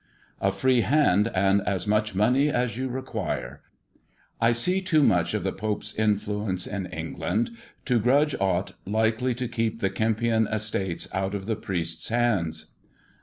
" A free hand, and as much money as you require. I see too much of the Pope's influence in England to grudge aught likely to keep the Kempion estates out of the priests' hands."